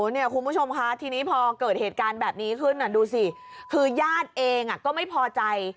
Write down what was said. เนี่ยคุณผู้ชมค่ะทีนี้พอเกิดเหตุการณ์แบบนี้ขึ้นดูสิคือญาติเองก็ไม่พอใจ